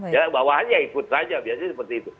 ya bawahannya ibut saja biasanya seperti itu